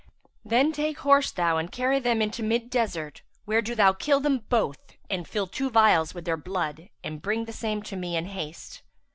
Then take horse thou and carry them into mid desert, where do thou kill them both and fill two vials with their blood and bring the same to me in haste."